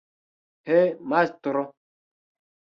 He, mastro!